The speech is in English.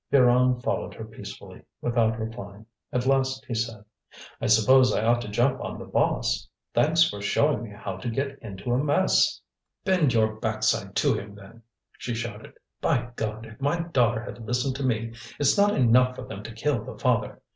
Pierron followed her peacefully, without replying. At last he said: "I suppose I ought to jump on the boss? Thanks for showing me how to get into a mess!" "Bend your backside to him, then," she shouted. "By God! if my daughter had listened to me! It's not enough for them to kill the father.